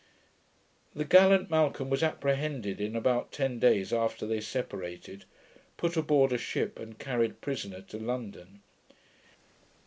The gallant Malcolm was apprehended in about ten days after they separated, put aboard a ship and carried prisoner to London.